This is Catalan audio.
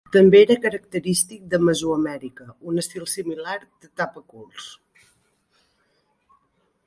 També era característic de Mesoamèrica un estil similar de tapaculs.